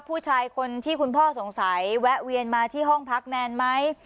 ผู้ชายคนที่คุณพ่อสงสัยแวะเวียนมาที่ห้องพักแนนไหม